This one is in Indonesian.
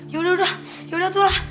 ya udah ya udah ya udah itulah